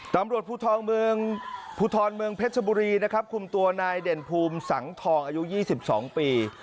ตำรวจภูทรเมืองภูทรเมืองเพชรบุรีนะครับคุมตัวนายเด่นภูมิสังทองอายุ๒๒ปี